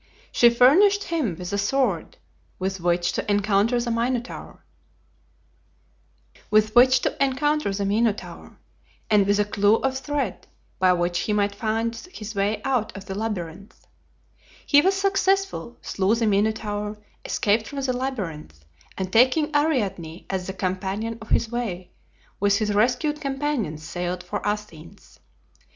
She furnished him with a sword, with which to encounter the Minotaur, and with a clew of thread by which he might find his way out of the labyrinth. He was successful, slew the Minotaur, escaped from the labyrinth, and taking Ariadne as the companion of his way, with his rescued companions sailed for Athens.